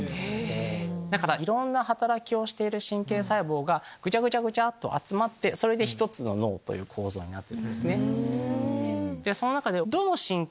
だからいろんな働きをしてる神経細胞がぐちゃぐちゃっと集まって１つの脳という構造になってます。